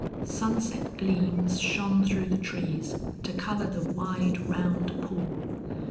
Sunset gleams shone through the trees to color the wide, round pool.